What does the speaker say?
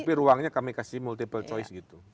tapi ruangnya kami kasih multiple choice gitu